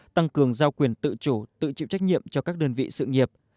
tăng cường giao quyền tự chủ tự chịu trách nhiệm cho các đơn vị sự nghiệp